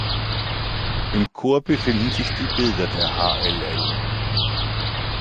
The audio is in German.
Im Chor befinden sich Bilder der hll.